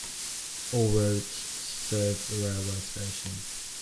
All routes serve the railway station.